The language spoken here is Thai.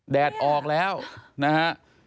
แดดออกแล้วนะฮะ